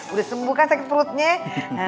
udah sembuh kan sakit perutnya